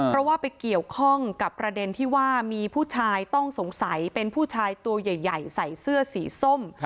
เพราะว่าไปเกี่ยวข้องกับประเด็นที่ว่ามีผู้ชายต้องสงสัยเป็นผู้ชายตัวใหญ่ใส่เสื้อสีส้ม